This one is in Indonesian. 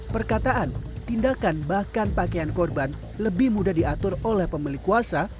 perkataan tindakan bahkan pakaian korban lebih mudah diatur oleh pemilik kuasa